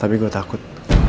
tapi gue takut